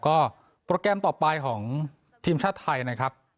ก็โปรแกรมต่อไปของทีมชาติไทยนะครับ